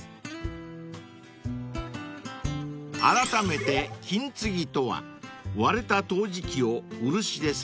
［あらためて金継ぎとは割れた陶磁器を漆で接着］